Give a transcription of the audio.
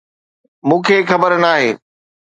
مونکي خبر ناهي